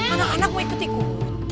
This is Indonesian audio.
anak anak mau ikut ikut